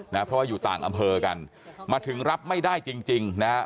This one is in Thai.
เพราะว่าอยู่ต่างอำเภอกันมาถึงรับไม่ได้จริงจริงนะฮะ